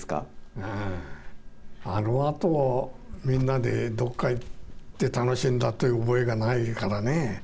あのあと、みんなでどこか行って楽しんだっていう覚えがないからね。